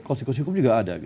konsekuensi hukum juga ada